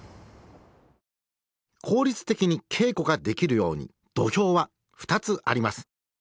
効率的に稽古ができるように土俵は２つあります。